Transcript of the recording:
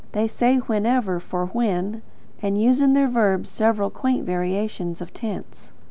They say "whenever" for "when," and use in their verbs several quaint variations of tense.)